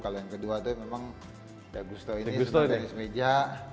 kalau yang kedua tuh memang ya gusto ini sempat tenis meja